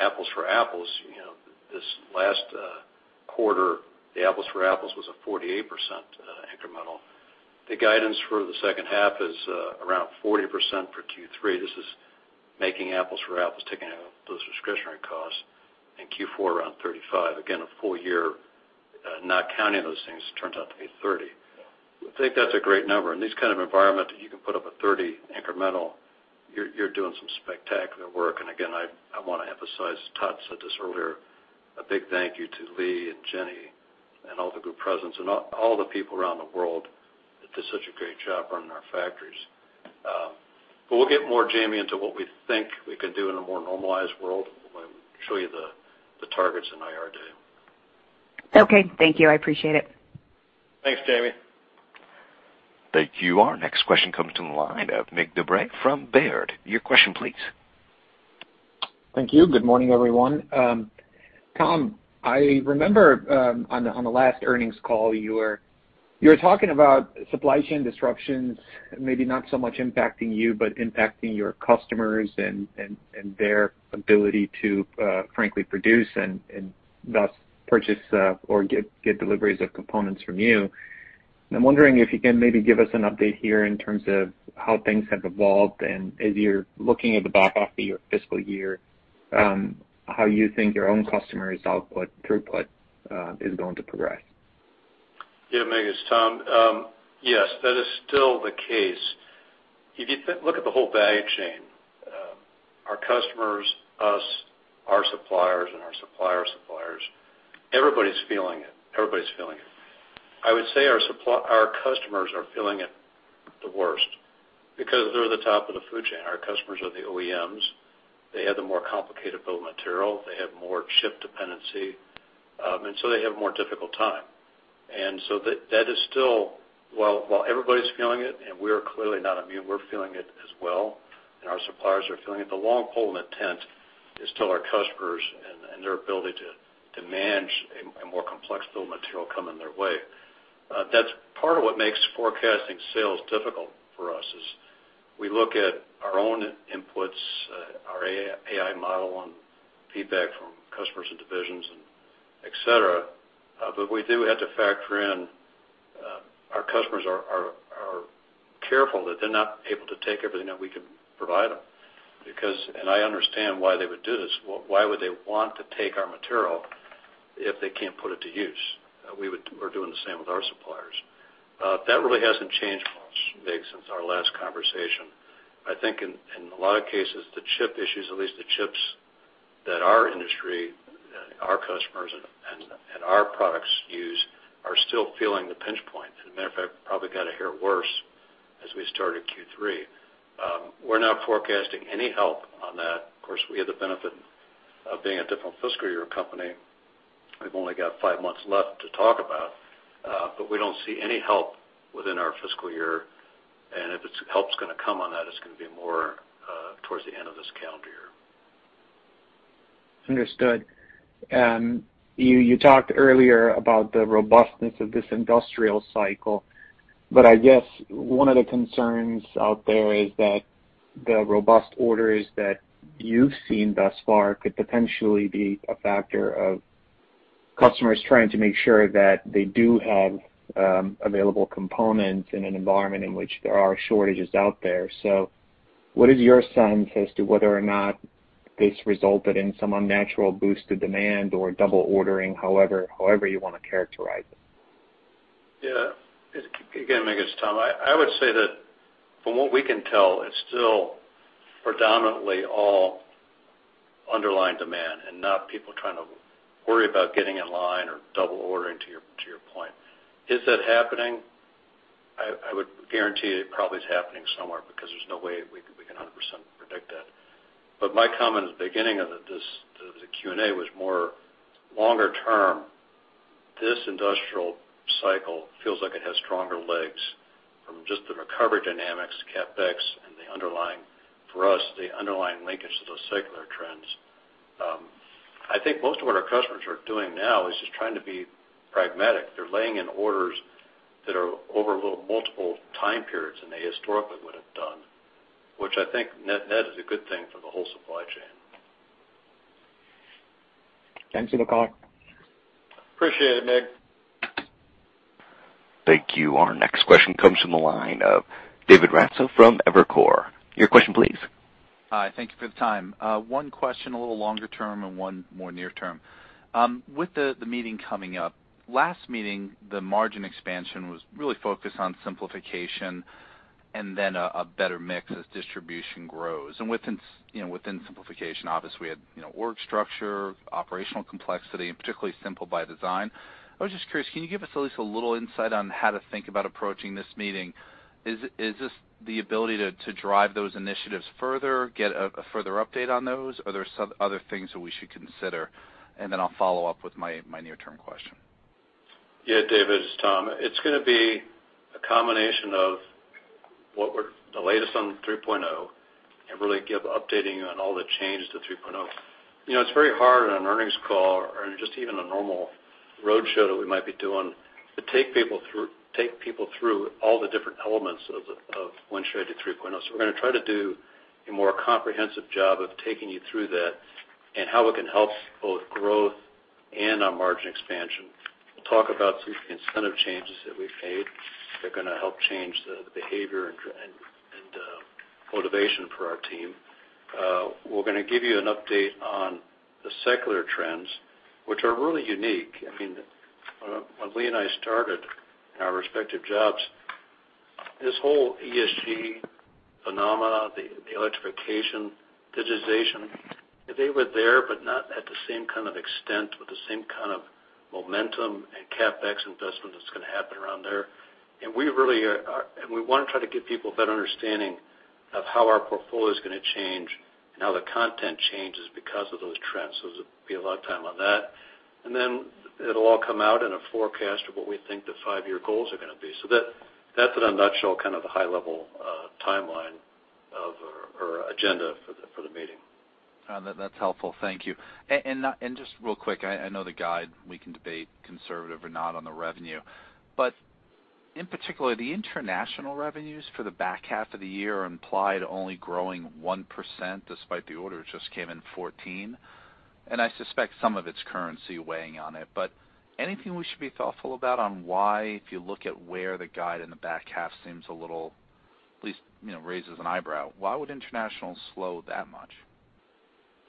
apples for apples. You know, this last 1/4, the apples for apples was a 48% incremental. The guidance for the second 1/2 is around 40% for Q3. This is making apples for apples, taking out those discretionary costs, and Q4 around 35. Again, a full year, not counting those things, turns out to be 30. I think that's a great number. In this kind of environment, if you can put up a 30 incremental, you're doing some spectacular work. Again, I want to emphasize, Todd said this earlier, a big thank you to Lee and Jenny and all the group presidents and all the people around the world that do such a great job running our factories. We'll get more, Jamie, into what we think we could do in a more normalized world when we show you the targets in IR day. Okay. Thank you. I appreciate it. Thanks, Jamie. Thank you. Our next question comes from the line of Mircea Dobre from Baird. Your question, please. Thank you. Good morning, everyone. Tom, I remember on the last earnings call, you were talking about supply chain disruptions, maybe not so much impacting you, but impacting your customers and their ability to frankly produce and thus purchase or get deliveries of components from you. I'm wondering if you can maybe give us an update here in terms of how things have evolved, and as you're looking at the back 1/2 of your fiscal year, how you think your own customers' output throughput is going to progress. Yeah, Mig, it's Tom. Yes, that is still the case. If you look at the whole value chain, our customers, us, our suppliers, and our supplier suppliers, everybody's feeling it. Everybody's feeling it. I would say our customers are feeling it the worst because they're the top of the food chain. Our customers are the OEMs. They have the more complicated build material. They have more chip dependency, and so they have a more difficult time. That is still, while everybody's feeling it, and we are clearly not immune, we're feeling it as well, and our suppliers are feeling it, the long pole in the tent is still our customers and their ability to manage a more complex build material coming their way. That's part of what makes forecasting sales difficult for us is we look at our own inputs, our AI model and feedback from customers and divisions and et cetera, but we do have to factor in, our customers are careful that they're not able to take everything that we can provide them because and I understand why they would do this. Why would they want to take our material if they can't put it to use? We're doing the same with our suppliers. That really hasn't changed much, Mig, since our last conversation. I think in a lot of cases, the chip issues, at least the chips that our industry, our customers and our products use are still feeling the pinch point. As a matter of fact, probably got a hair worse as we started Q3. We're not forecasting any help on that. Of course, we have the benefit of being a different fiscal year company. We've only got 5 months left to talk about, but we don't see any help within our fiscal year. Help's gonna come on that, it's gonna be more towards the end of this calendar year. Understood. You talked earlier about the robustness of this industrial cycle, but I guess one of the concerns out there is that the robust orders that you've seen thus far could potentially be a factor of customers trying to make sure that they do have available components in an environment in which there are shortages out there. So what is your sense as to whether or not this resulted in some unnatural boost to demand or double ordering, however you wanna characterize it? Yeah. Again, Mig, it's Tom. I would say that from what we can tell, it's still predominantly all underlying demand and not people trying to worry about getting in line or double ordering, to your point. Is that happening? I would guarantee it probably is happening somewhere because there's no way we can 100% predict that. But my comment at the beginning of the Q&A was more longer term, this industrial cycle feels like it has stronger legs from just the recovery dynamics, CapEx, and the underlying, for us, the underlying linkage to those secular trends. I think most of what our customers are doing now is just trying to be pragmatic. They're laying in orders that are over little multiple time periods than they historically would have done, which I think net-net is a good thing for the whole supply chain. Thanks for the call. Appreciate it, Mig Dobre. Thank you. Our next question comes from the line of David Raso from Evercore. Your question, please. Hi. Thank you for the time. One question a little longer term and one more near term. With the meeting coming up, last meeting, the margin expansion was really focused on simplification and then a better mix as distribution grows. Within simplification, you know, within simplification, obviously, we had, you know, org structure, operational complexity, and particularly Simple by Design. I was just curious, can you give us at least a little insight on how to think about approaching this meeting? Is this the ability to drive those initiatives further, get a further update on those? Are there some other things that we should consider? Then I'll follow up with my near-term question. Yeah, David, it's Tom. It's gonna be a combination of the latest on 3.0, and really giving you an update on all the changes to 3.0. You know, it's very hard on an earnings call or in just even a normal roadshow that we might be doing to take people through all the different elements of Win Strategy 3.0. We're gonna try to do a more comprehensive job of taking you through that and how it can help both growth and margin expansion. We'll talk about some incentive changes that we've made that are gonna help change the behavior and motivation for our team. We're gonna give you an update on the secular trends, which are really unique. I mean, when Lee and I started in our respective jobs, this whole ESG phenomenon, the electrification, digitization, they were there, but not at the same kind of extent with the same kind of momentum and CapEx investment that's gonna happen around there. We really wanna try to give people a better understanding of how our portfolio is gonna change and how the content changes because of those trends. There's gonna be a lot of time on that. Then it'll all come out in a forecast of what we think the 5-year goals are gonna be. That, that's in a nutshell kind of the high level timeline of or agenda for the meeting. That's helpful. Thank you. Just real quick, I know the guide. We can debate conservative or not on the revenue, but in particular, the international revenues for the back 1/2 of the year are implied only growing 1% despite the order just came in 14, and I suspect some of it's currency weighing on it. Anything we should be thoughtful about on why, if you look at where the guide in the back 1/2 seems a little, at least, you know, raises an eyebrow, why would international slow that much?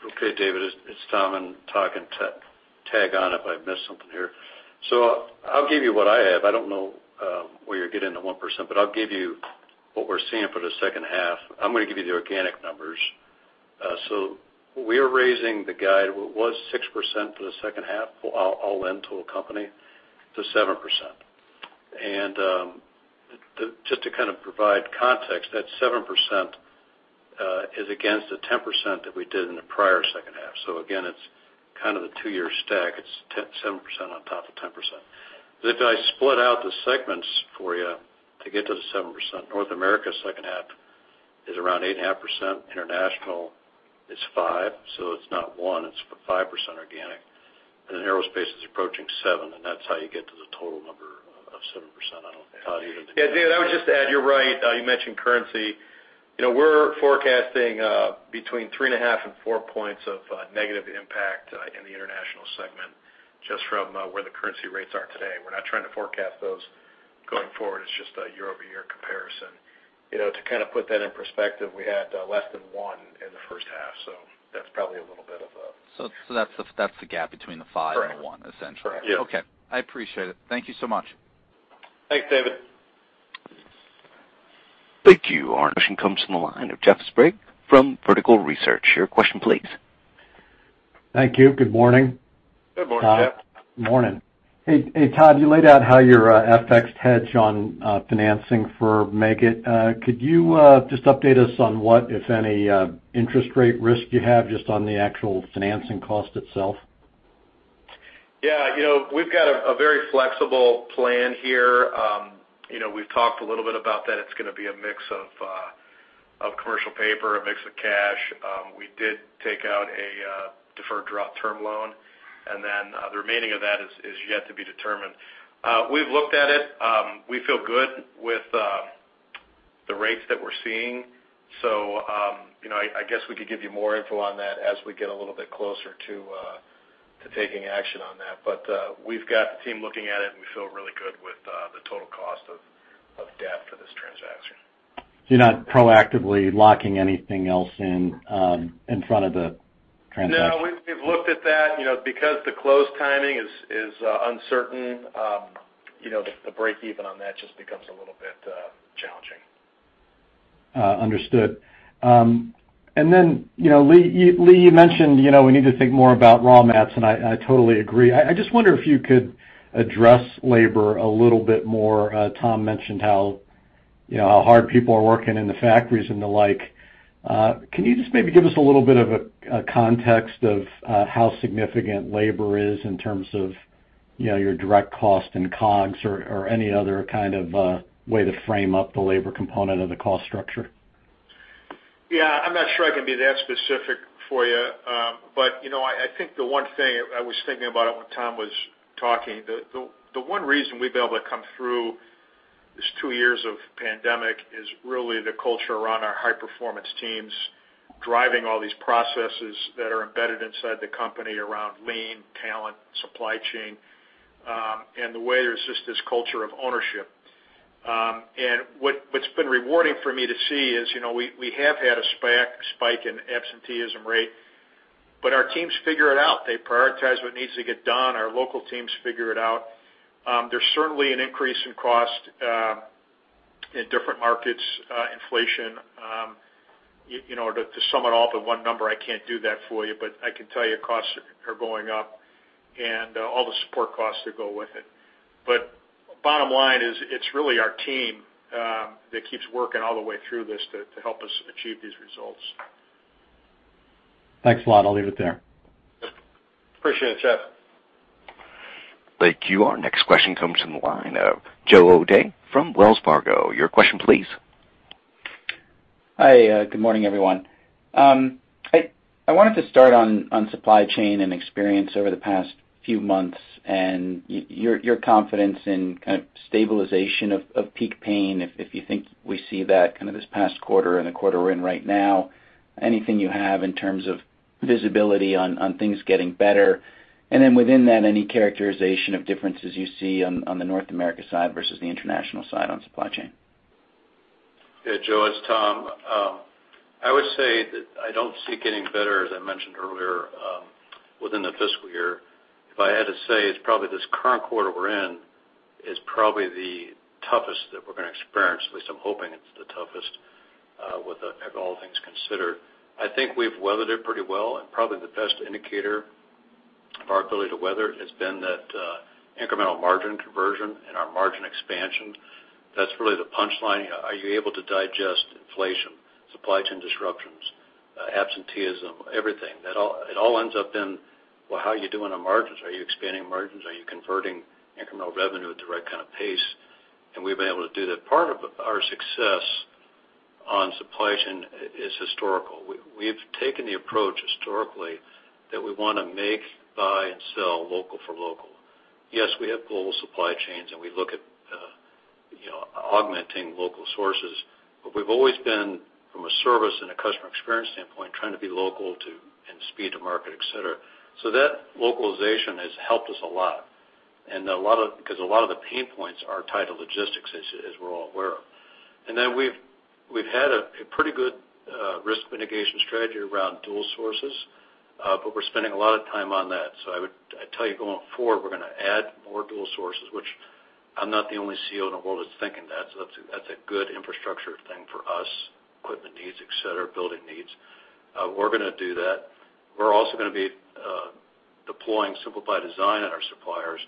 Okay, David, it's Tom. Todd, can tag on if I miss something here. I'll give you what I have. I don't know where you're getting the 1%, but I'll give you what we're seeing for the second 1/2. I'm gonna give you the organic numbers. We are raising the guide, what was 6% for the second 1/2, all in to a company to 7%. Just to kind of provide context, that 7% is against the 10% that we did in the prior second 1/2. Again, it's kind of the 2-year stack. It's 7 percent on top of 10%. If I split out the segments for you to get to the 7%, North America second 1/2 is around 8.5%. International is 5%. It's not 1, it's 5% organic. Aerospace is approaching 7, and that's how you get to the total number of 7%. I don't know, Todd. Yeah, David, I would just add, you're right. You mentioned currency. You know, we're forecasting between 3.5 and 4 points of negative impact in the international segment just from where the currency rates are today. We're not trying to forecast those going forward. It's just a Year-Over-Year comparison. You know, to kind of put that in perspective, we had less than 1 in the first 1/2, so that's probably a little bit of a That's the gap between the 5 Correct. the one, essentially. Correct. Yeah. Okay. I appreciate it. Thank you so much. Thanks, David. Thank you. Our next question comes from the line of Jeff Sprague from Vertical Research. Your question, please. Thank you. Good morning. Good morning, Jeff. Morning. Hey, Todd, you laid out how your FX hedge on financing for Meggitt. Could you just update us on what, if any, interest rate risk you have just on the actual financing cost itself? Yeah. You know, we've got a very flexible plan here. You know, we've talked a little bit about that. It's gonna be a mix of commercial paper, a mix of cash. We did take out a deferred draw term loan, and then the remaining of that is yet to be determined. We've looked at it. We feel good with the rates that we're seeing. You know, I guess we could give you more info on that as we get a little bit closer to taking action on that. We've got the team looking at it, and we feel really good with the total cost of debt for this transaction. You're not proactively locking anything else in front of the transaction? No, we've looked at that. You know, because the close timing is uncertain, you know, the breakeven on that just becomes a little bit challenging. Understood. You know, Lee, you mentioned, you know, we need to think more about raw materials, and I totally agree. I just wonder if you could address labor a little bit more. Tom mentioned how, you know, how hard people are working in the factories and the like. Can you just maybe give us a little bit of a context of how significant labor is in terms of, you know, your direct cost and COGS or any other kind of way to frame up the labor component of the cost structure? Yeah, I'm not sure I can be that specific for you. You know, I think the one thing I was thinking about when Tom was talking, the one reason we've been able to come through this 2 years of pandemic is really the culture around our High-Performance teams driving all these processes that are embedded inside the company around lean talent, supply chain, and the way there's just this culture of ownership. What's been rewarding for me to see is, you know, we have had a spike in absenteeism rate, but our teams figure it out. They prioritize what needs to get done. Our local teams figure it out. There's certainly an increase in cost in different markets, inflation. You know, to sum it all up in one number, I can't do that for you. I can tell you costs are going up and all the support costs that go with it. Bottom line is, it's really our team that keeps working all the way through this to help us achieve these results. Thanks a lot. I'll leave it there. appreciate it, Jeff. Thank you. Our next question comes from the line of Joe O'Dea from Wells Fargo. Your question please. Hi. Good morning, everyone. I wanted to start on supply chain and experience over the past few months and your confidence in kind of stabilization of peak pain, if you think we see that kind of this past 1/4 and the 1/4 we're in right now, anything you have in terms of visibility on things getting better. Within that, any characterization of differences you see on the North America side versus the international side on supply chain. Yeah, Joe, it's Tom. I would say that I don't see it getting better, as I mentioned earlier, within the fiscal year. If I had to say, it's probably this current 1/4 we're in is probably the toughest that we're gonna experience, at least I'm hoping it's the toughest, with all things considered. I think we've weathered it pretty well, and probably the best indicator of our ability to weather it has been that incremental margin conversion and our margin expansion. That's really the punchline. Are you able to digest inflation, supply chain disruptions, absenteeism, everything? That all ends up in, well, how are you doing on margins? Are you expanding margins? Are you converting incremental revenue at the right kind of pace? We've been able to do that. Part of our success on supply chain is historical. We've taken the approach historically that we wanna make, buy and sell local for local. Yes, we have global supply chains, and we look at, you know, augmenting local sources, but we've always been, from a service and a customer experience standpoint, trying to be local, too, and speed to market, et cetera. That localization has helped us a lot. Because a lot of the pain points are tied to logistics, as we're all aware of. We've had a pretty good risk mitigation strategy around dual sources, but we're spending a lot of time on that. I would tell you going forward, we're gonna add more dual sources, which I'm not the only CEO in the world that's thinking that. That's a good infrastructure thing for us, equipment needs, et cetera, building needs. We're gonna do that. We're also gonna be deploying Simple by Design at our suppliers,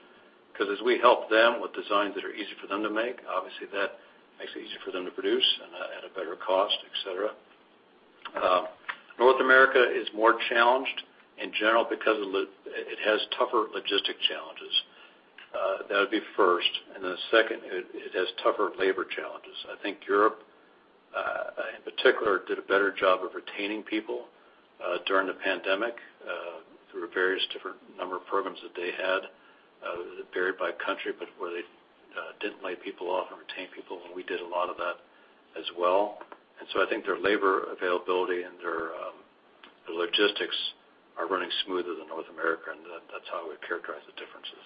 'cause as we help them with designs that are easy for them to make, obviously that makes it easier for them to produce and at a better cost, et cetera. North America is more challenged in general because it has tougher logistic challenges. That would be first. Second, it has tougher labor challenges. I think Europe, in particular, did a better job of retaining people during the pandemic through various different number of programs that they had, varied by country, but where they didn't lay people off and retained people, and we did a lot of that as well. I think their labor availability and their logistics are running smoother than North America, and that's how we characterize the differences.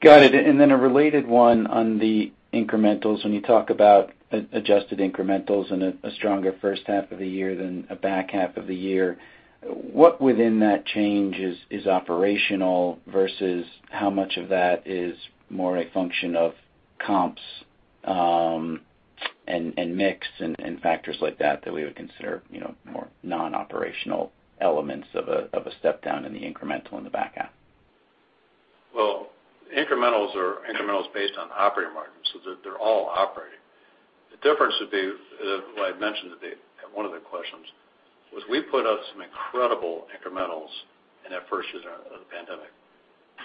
Got it. A related one on the incrementals. When you talk about adjusted incrementals and a stronger first 1/2 of the year than a back 1/2 of the year, what within that change is operational versus how much of that is more a function of comps, and mix and factors like that we would consider, you know, more Non-operational elements of a step down in the incremental in the back 1/2? Well, incrementals are incrementals based on operating margins, so they're all operating. The difference would be, well, I mentioned at one of the questions that we put out some incredible incrementals in that first year of the pandemic.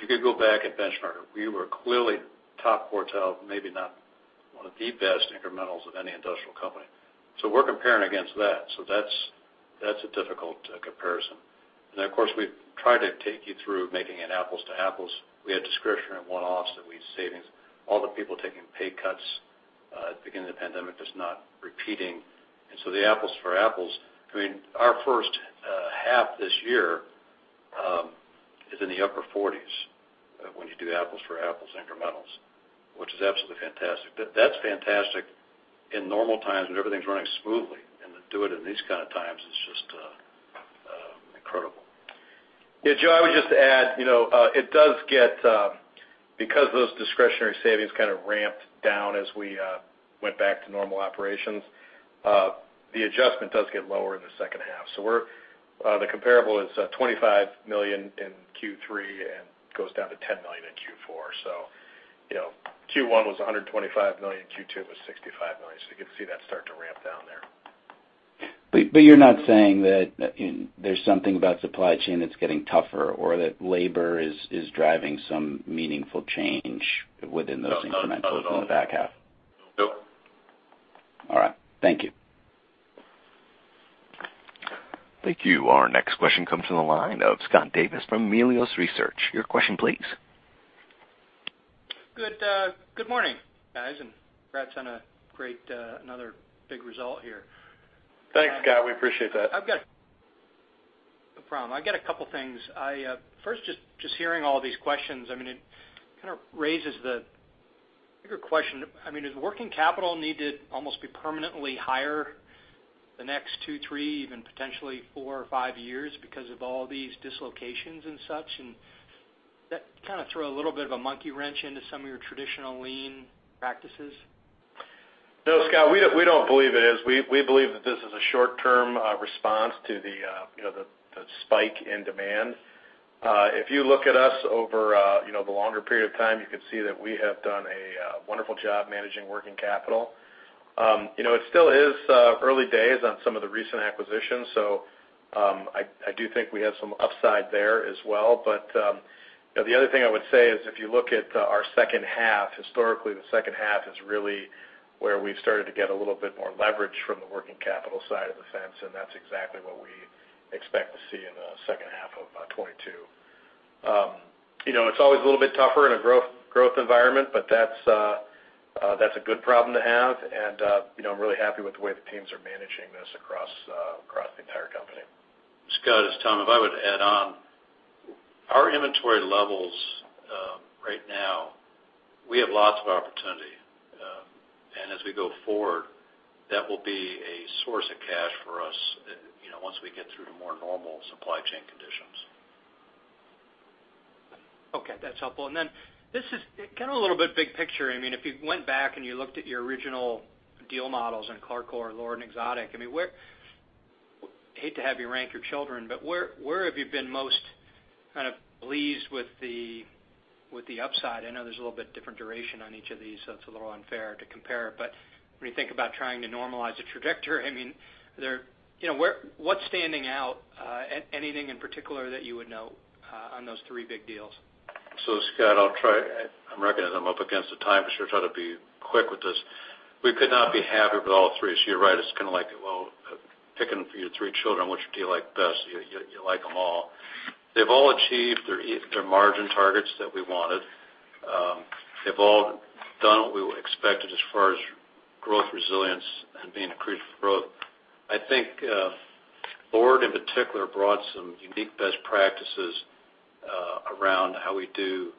You could go back and benchmark. We were clearly top quartile, maybe not one of the best incrementals of any industrial company. We're comparing against that. That's a difficult comparison. Of course, we've tried to take you through making it apples to apples. We had discretionary One-Off savings. All the people taking pay cuts at the beginning of the pandemic, that's not repeating. The apples to apples, I mean, our first 1/2 this year is in the upper 40s% when you do apples to apples incrementals, which is absolutely fantastic. That's fantastic in normal times when everything's running smoothly, and to do it in these kind of times is just incredible. Yeah, Joe, I would just add, you know, it does get, because those discretionary savings kind of ramped down as we went back to normal operations, the adjustment does get lower in the second 1/2. We're the comparable is $25 million in Q3 and goes down to $10 million in Q4. You know, Q1 was $125 million, Q2 was $65 million. You can see that start to ramp down there. you're not saying that, you know, there's something about supply chain that's getting tougher or that labor is driving some meaningful change within those incrementals- No, not at all. in the back 1/2? Nope. All right. Thank you. Thank you. Our next question comes from the line of Scott Davis from Melius Research. Your question, please. Good morning, guys, and congrats on a great another big result here. Thanks, Scott. We appreciate that. I've got no problem. I got a couple things. I first, just hearing all these questions, I mean, it kind of raises the bigger question. I mean, does working capital need to almost be permanently higher the next 2, 3, even potentially 4 or 5 years because of all these dislocations and such, and that kind of throw a little bit of a monkey wrench into some of your traditional lean practices? No, Scott, we don't believe it is. We believe that this is a short-term response to the, you know, the spike in demand. If you look at us over, you know, the longer period of time, you can see that we have done a wonderful job managing working capital. You know, it still is early days on some of the recent acquisitions, so I do think we have some upside there as well. You know, the other thing I would say is, if you look at our second 1/2, historically, the second 1/2 is really where we've started to get a little bit more leverage from the working capital side of the fence, and that's exactly what we expect to see in second 1/2 of 2022. You know, it's always a little bit tougher in a growth environment, but that's a good problem to have. You know, I'm really happy with the way the teams are managing this across the entire company. Scott, it's Tom. If I would add on, our inventory levels, right now, we have lots of opportunity. As we go forward, that will be a source of cash for us, you know, once we get through to more normal supply chain conditions. Okay, that's helpful. Then this is kind of a little bit big picture. I mean, if you went back and you looked at your original deal models in CLARCOR, LORD and Exotic, I mean, where? Hate to have you rank your children, but where have you been most kind of pleased with the upside? I know there's a little bit different duration on each of these, so it's a little unfair to compare. When you think about trying to normalize the trajectory, I mean, you know, what's standing out, anything in particular that you would note on those 3 big deals? Scott, I'll try. I'm recognizing I'm up against the time, for sure, try to be quick with this. We could not be happier with all 3. You're right, it's kind of like, well, picking for your 3 children, which do you like best? You like them all. They've all achieved their margin targets that we wanted. They've all done what we expected as far as growth resilience and being accretive growth. I think, LORD in particular brought some unique best practices, around how we do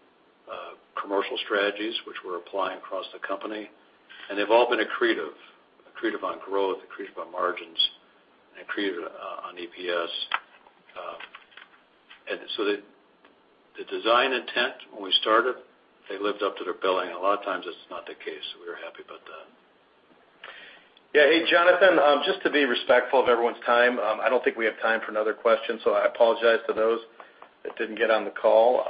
commercial strategies, which we're applying across the company. They've all been accretive on growth, accretive on margins, and accretive on EPS. The design intent when we started, they lived up to their billing. A lot of times that's not the case. We were happy about that. Yeah. Hey, Jonathan, just to be respectful of everyone's time, I don't think we have time for another question, so I apologize to those that didn't get on the call.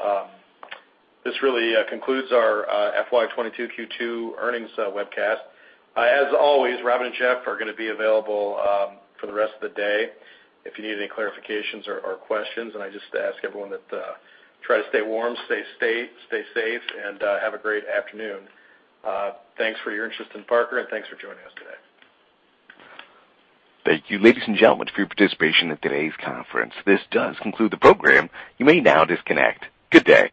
This really concludes our FY 2022 Q2 earnings webcast. As always, Robin and Jeff are gonna be available for the rest of the day if you need any clarifications or questions. I just ask everyone to try to stay warm, stay safe, and have a great afternoon. Thanks for your interest in Parker, and thanks for joining us today. Thank you, ladies and gentlemen, for your participation in today's conference. This does conclude the program. You may now disconnect. Good day.